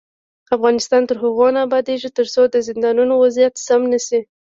افغانستان تر هغو نه ابادیږي، ترڅو د زندانونو وضعیت سم نشي.